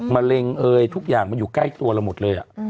มะเร็งเอ่ยทุกอย่างมันอยู่ใกล้ตัวเราหมดเลย